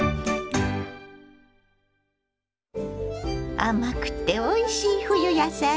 甘くておいしい冬野菜。